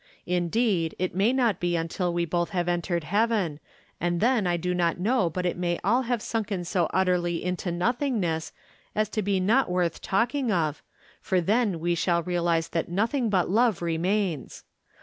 Indeed, it may not be until we both From Different Standpoints. 865 have entered heaven, and then I do not know but it may all have sunken so utterly into noth ingness as to be not worth talking of, for then we shall realize that nothing but love remains.